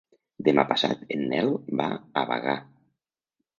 Demà passat en Nel va a Bagà.